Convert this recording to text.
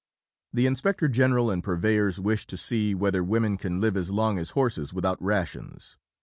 The Inspector General and Purveyors wish to see whether women can live as long as horses without rations.